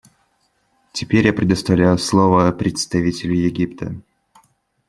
Теперь я предоставляю слово представителю Египта.